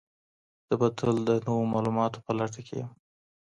زه به تل د نويو معلوماتو په لټه کي یم.